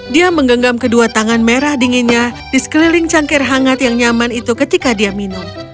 dia menggenggam kedua tangan merah dinginnya di sekeliling cangkir hangat yang nyaman itu ketika dia minum